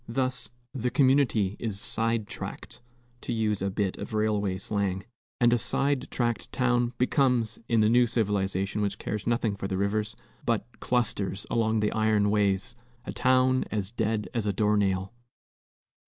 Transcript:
Thus the community is "side tracked," to use a bit of railway slang; and a side tracked town becomes in the new civilization which cares nothing for the rivers, but clusters along the iron ways a town "as dead as a door nail."